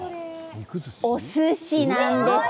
おすしなんです。